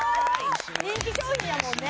人気商品やもんね